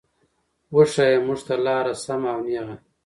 وښايه مونږ ته لاره سمه او نېغه